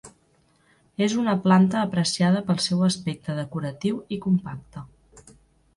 És una planta apreciada pel seu aspecte decoratiu i compacte.